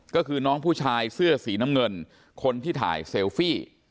ก็คือน้องผู้ชายเสื้อสีน้ำเงินคนที่ถ่ายเซลฟี่